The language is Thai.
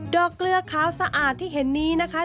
เกลือขาวสะอาดที่เห็นนี้นะคะ